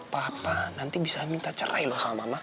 papa nanti bisa minta cerai loh sama mama